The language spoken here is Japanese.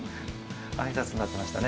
挨拶になってましたね